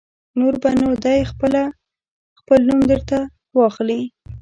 نور به نو دی خپله خپل نوم در ته واخلي.